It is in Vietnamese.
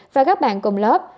và các bạn cùng lớp